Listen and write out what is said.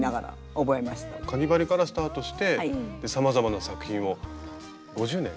かぎ針からスタートしてさまざまな作品を５０年。